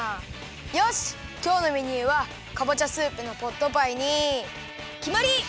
よしきょうのメニューはかぼちゃスープのポットパイにきまり！